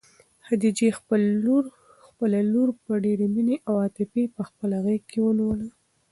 خدیجې خپله لور په ډېرې مینې او عاطفې په خپله غېږ کې ونیوله.